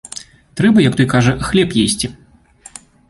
Трэба, як той кажа, хлеб есці.